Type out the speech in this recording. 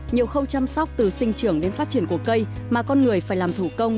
nhiều khâu chăm sóc từ sinh trưởng đến phát triển của cây mà con người phải làm thủ công